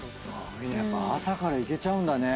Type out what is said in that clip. やっぱ朝からいけちゃうんだね